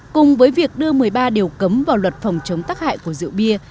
cùng với việc đưa một mươi ba điều cấm vào luật phòng chống tắc hại của rượu bia